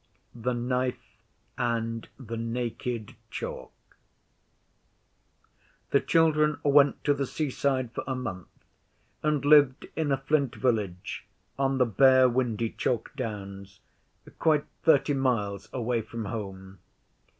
The Knife and the Naked Chalk The children went to the seaside for a month, and lived in a flint village on the bare windy chalk Downs, quite thirty miles away from home.